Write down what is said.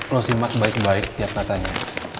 lo simak baik baik tiap matanya